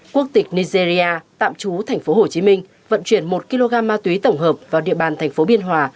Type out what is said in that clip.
quốc tịch nigeria tạm trú thành phố hồ chí minh vận chuyển một kg ma túy tổng hợp vào địa bàn thành phố biên hòa